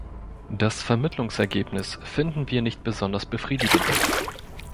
Das Vermittlungsergebnis finden wir nicht besonders befriedigend.